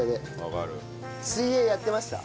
水泳やってました？